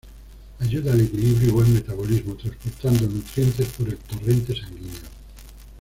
Ayuda al equilibrio y buen metabolismo transportando nutrientes por el torrente sanguíneo.